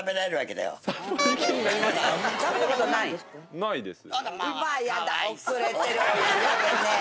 ないです。